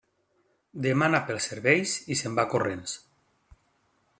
Demana pels serveis i se'n va corrents.